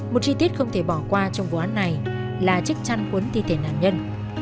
một chi tiết không thể bỏ qua trong vụ án này là chiếc chăn cuốn thi thể nạn nhân